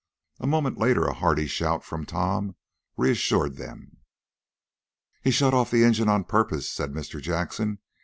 A moment later a hearty shout from Tom reassured them. "He shut off the engine on purpose," said Mr. Jackson.